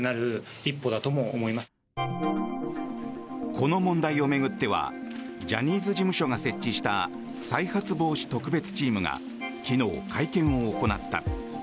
この問題を巡ってはジャニーズ事務所が設置した再発防止特別チームが昨日、会見を行った。